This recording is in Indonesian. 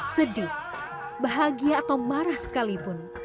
sedih bahagia atau marah sekalipun